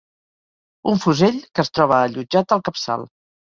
Un fusell que es troba allotjat al capçal.